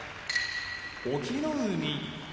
隠岐の海